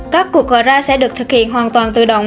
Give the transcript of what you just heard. các cuộc gọi ra sẽ được thực hiện hoàn toàn tự động